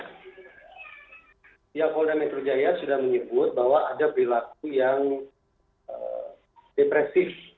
siapol dan metro jaya sudah menyebut bahwa ada berlaku yang depresif